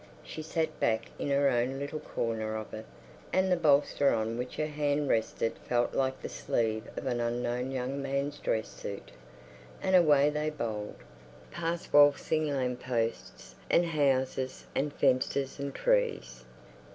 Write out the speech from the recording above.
She sat back in her own little corner of it, and the bolster on which her hand rested felt like the sleeve of an unknown young man's dress suit; and away they bowled, past waltzing lamp posts and houses and fences and trees.